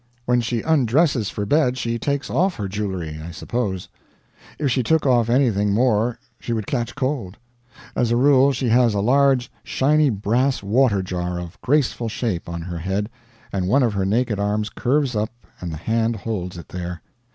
When she undresses for bed she takes off her jewelry, I suppose. If she took off anything more she would catch cold. As a rule she has a large shiney brass water jar of graceful shape on her head, and one of her naked arms curves up and the hand holds it there.